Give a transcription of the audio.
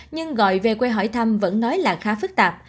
nhưng gọi về quê hỏi thăm vẫn nói là khá phức tạp